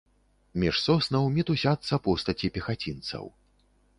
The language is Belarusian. Між соснаў мітусяцца постаці пехацінцаў.